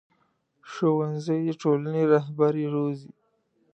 ښوونځی د ټولنې رهبري روزي